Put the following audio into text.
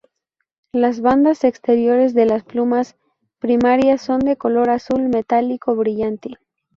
Las bandas exteriores de las plumas primarias son de color azul metálico brillante.